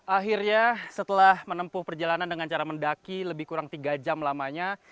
akhirnya setelah menempuh perjalanan dengan cara mendaki lebih kurang tiga jam lamanya